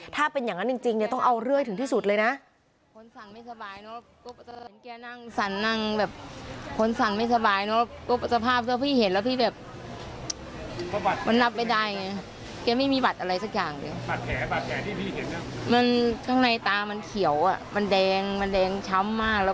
ถ้าเป็นอย่างนั้นจริงต้องเอาเรื่อยถึงที่สุดเลยนะ